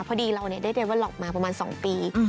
พอดีเราได้เรเวอร์ล็อกมาประมาณ๒ปี